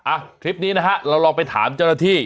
อ่ะคลิปนี้นะฮะเราลองไปถามเจ้าหน้าที่